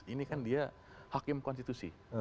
ini kan dia hakim konstitusi